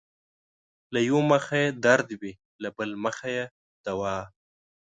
له يؤه مخه يې درد وي له بل مخه يې دوا